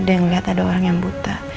dia ngeliat ada orang yang buta